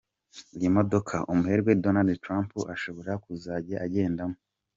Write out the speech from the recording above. y'imodoka, umuherwe Donald Trump ashobora kuzajya agendamo.